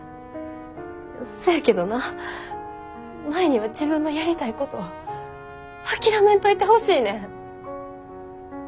せやけどな舞には自分のやりたいこと諦めんといてほしいねん。